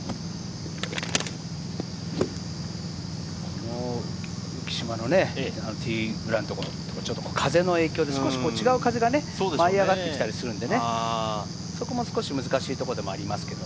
この浮き島のティーグラウンド、風の影響で少し違う風が舞い上がってきたりするのでね、そこも少し難しいところではありますけれど。